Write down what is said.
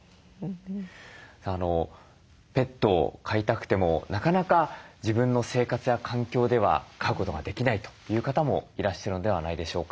ペットを飼いたくてもなかなか自分の生活や環境では飼うことができないという方もいらっしゃるのではないでしょうか。